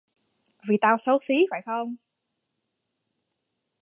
vì tao xấu xí phải không